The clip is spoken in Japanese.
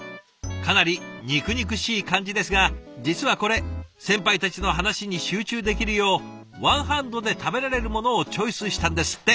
かなり肉々しい感じですが実はこれ先輩たちの話に集中できるようワンハンドで食べられるものをチョイスしたんですって。